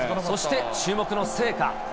そして注目の聖火。